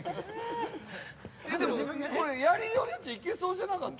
でもこれやりようによっちゃいけそうじゃなかった？